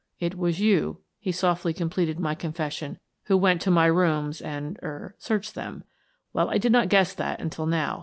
" It was you," he softly completed my confes sion, " who went to my rooms and — er — searched them. Well, I did not guess that until now.